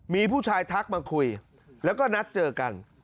มีผู้ชายทักมาคุยแล้วก็นัดเจอกัน